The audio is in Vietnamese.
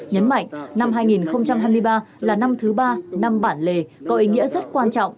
nhấn mạnh năm hai nghìn hai mươi ba là năm thứ ba năm bản lề có ý nghĩa rất quan trọng